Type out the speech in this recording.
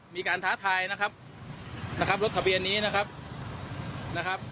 มีการท้าทายนะครับรถทะเบียนนี้นะครับ